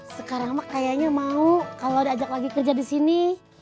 sekarang mah kayaknya mau kalau udah ajak lagi kerja di sini